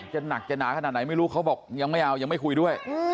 หนักจะหนาขนาดไหนไม่รู้เขาบอกยังไม่เอายังไม่คุยด้วย